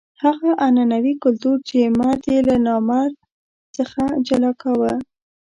هغه عنعنوي کلتور چې مرد یې له نامرد څخه جلا کاوه.